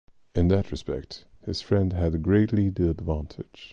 In that respect his friend had greatly the advantage.